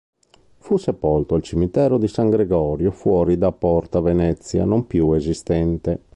Fu sepolto al cimitero di San Gregorio fuori da Porta Venezia, non più esistente.